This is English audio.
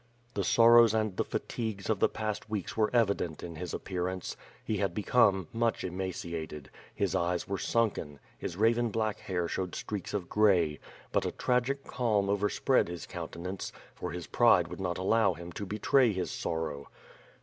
The sorrows and the fatigues of the past weeks were evi dent in his appearance. He had become much emaciated; his eyes were sunken; his raven black hair showed streaks of gray; but a tragic calm overspred his countenance, for his pride would not allow him to betray his sorrow.